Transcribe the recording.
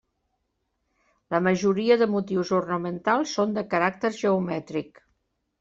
La majoria de motius ornamentals són de caràcter geomètric.